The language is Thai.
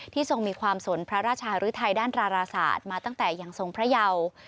ทรงมีความสนพระราชหรือไทยด้านราราศาสตร์มาตั้งแต่ยังทรงพระเยา